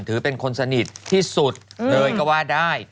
ถือเป็นคนสนิทที่สุดเลยก็ว่าได้